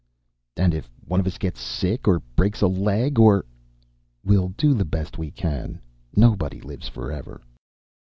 "And if one of us gets sick or breaks a leg or " "We'll do the best we can. Nobody lives forever."